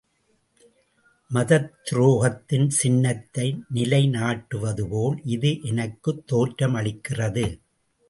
மதத் துரோகத்தின் சின்னத்தை நிலைநாட்டுவதுபோல் இது எனக்குத் தோற்றமளிக்கிறது.